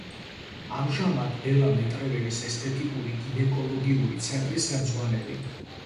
ამჟამად, ბელა მეტრეველის ესთეტიკური გინეკოლოგიური ცენტრის ხელმძღვანელი.